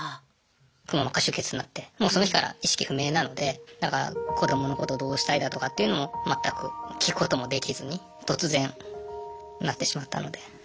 くも膜下出血になってもうその日から意識不明なのでだから子どものことどうしたいだとかっていうのも全く聞くこともできずに突然なってしまったので。